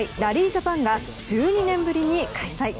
ジャパンが１２年ぶりに開催。